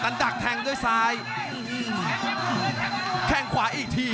รับทราบบรรดาศักดิ์